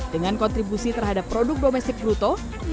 dengan kontribusi terhadap produk domestik bruto